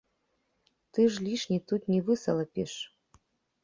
Ты ж лішне тут не высалапіш.